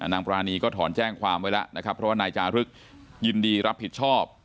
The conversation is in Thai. นางปรานีก็ถอนแจ้งความไว้แล้วนะครับเพราะว่านายจารึกยินดีรับผิดชอบ